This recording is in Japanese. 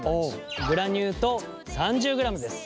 グラニュー糖３０ｇです。